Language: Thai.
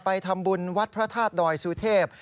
ไปทำบุญวัดพระธาตุดอยสูทธิบ